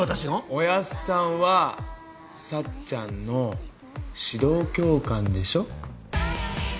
おやっさんはさっちゃんの指導教官でしょ？